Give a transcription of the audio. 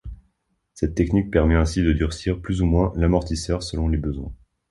Cette technique permet ainsi de durcir plus ou moins l'amortisseur selon les besoins.